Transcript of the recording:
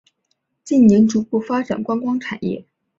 近年逐步发展观光产业。